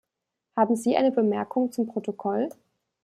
Haben Sie eine Bemerkung zum Protokoll?